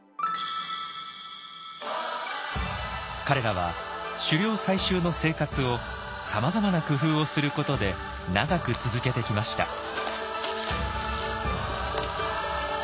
彼らは狩猟採集の生活をさまざまな工夫をすることで長く続けてきました。